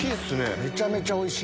めちゃめちゃおいしい。